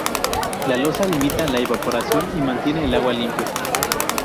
La losa limita la evaporación y mantiene el agua limpia.